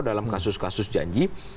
dalam kasus kasus janji